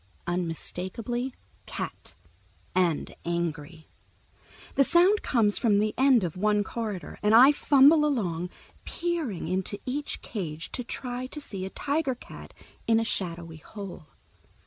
Unmistakably Cat, and angry. The sound comes from the end of one corridor, and I fumble along, peering into each cage to try to see a tiger cat in a shadowy hole.